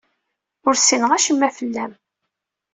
Ur ssineɣ acemma fell-am.